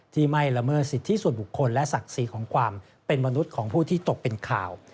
ที่ไม่ละเมิดสิทธิส่วนบุคคลและศักดิ์ศรีของความเป็นมนุษย์ของผู้ที่ตกเป็นข่าว